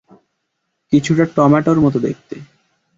কিছুটা টম্যাটোর মতো দেখতে।